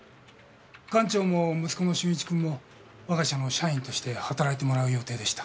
館長も息子の俊一君も我が社の社員として働いてもらう予定でした。